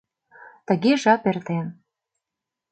Тыге жап эртен.